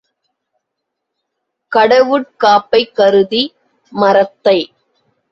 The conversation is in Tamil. கடவுட் காப்பைக் கருதி, “மரத்தை